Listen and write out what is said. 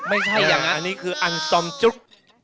อันนี้คืออันส่องทุ๊ก